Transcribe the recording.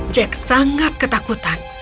jack sangat ketakutan